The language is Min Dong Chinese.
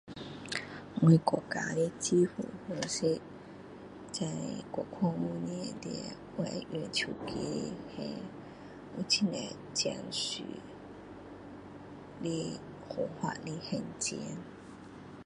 我国家的支付方式，在过去五年里，我会用手机还，有很多正式的方法来还钱。